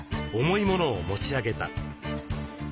重いものを持ち上げた。